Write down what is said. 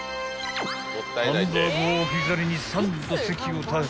［ハンバーグを置き去りに３度席を立ち］